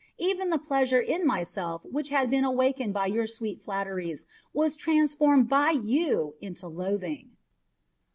Even the pleasure in myself which had been awakened by your sweet flatteries was transformed by you into loathing."